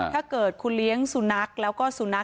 ถ้าเกิดคุณเลี้ยงสุนัขแล้วก็คุณเลี้ยงสุนัข